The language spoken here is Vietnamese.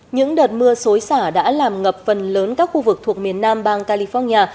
những đợt mưa xối xả đã làm ngập phần lớn các khu vực thuộc miền nam bang california